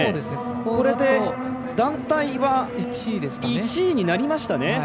これで団体は１位になりましたね。